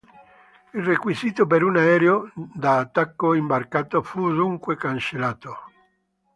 Il requisito per un aereo da attacco imbarcato fu dunque cancellato.